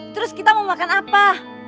terus kita mau makan apa